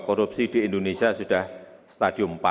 korupsi di indonesia sudah stadium empat